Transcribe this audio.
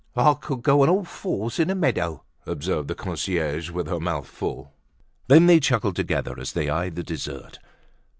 "I could go on all fours in a meadow," observed the concierge with her mouth full. Then they chuckled together as they eyed the dessert.